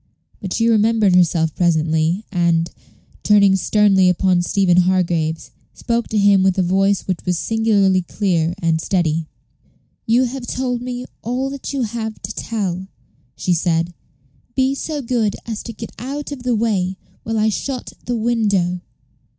But she remembered herself presently, and, turning sternly upon Stephen Hargraves, spoke to him with a voice which was singularly clear and steady. "You have told me all that you have to tell," she said; "be so good as to get out of the way while I shut the window."